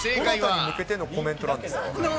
どなたに向けてのコメントなんですか？